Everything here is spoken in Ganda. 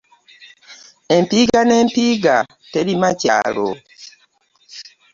Empiiga n'empiiga terima kyalo.